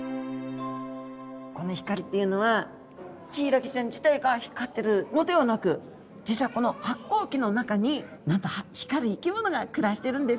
この光っていうのはヒイラギちゃん自体が光ってるのではなく実はこの発光器の中になんと光る生き物が暮らしてるんですよ。